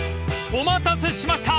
［お待たせしました！